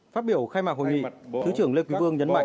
phát biểu khai mạc hội nghị thứ trưởng lê quý vương nhấn mạnh